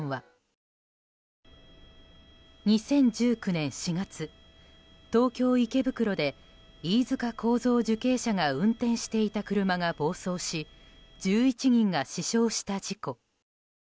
２０１９年４月東京・池袋で飯塚幸三受刑者が運転していた車が暴走し１１人が死傷した事故。